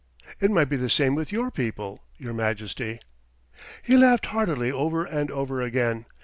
It might be the same with your people, Your Majesty." He laughed heartily over and over again.